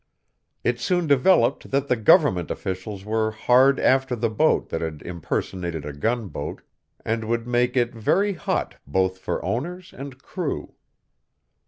It soon developed that the government officials were hard after the boat that had impersonated a gunboat, and would make it very hot both for owners and crew.